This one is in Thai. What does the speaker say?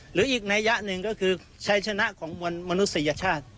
หรืออีกนัยยะหนึ่งก็คือชัยชนะของมวลมนุษยชาติ